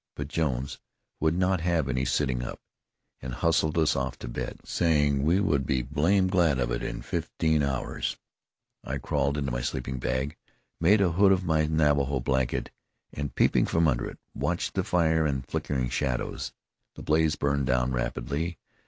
But Jones would not have any sitting up, and hustled us off to bed, saying we would be "blamed" glad of it in about fifteen hours. I crawled into my sleeping bag, made a hood of my Navajo blanket, and peeping from under it, watched the fire and the flickering shadows. The blaze burned down rapidly.